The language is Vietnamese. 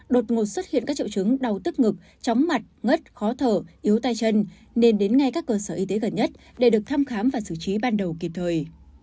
đột ngột xuất hiện các triệu chứng đau tức ngực chóng mặt ngất khó thở yếu tay chân nên đến ngay các cơ sở y tế gần nhất để được thăm khám và xử trí ban đầu kịp thời